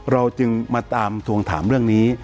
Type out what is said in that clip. เราจึงมาตามทวงถามเรื่องนี้